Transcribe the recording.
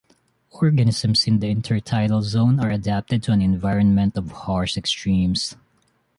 Organisms in the intertidal zone are adapted to an environment of harsh extremes.